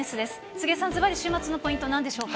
杉江さん、ずばり週末のポイントはなんでしょうか。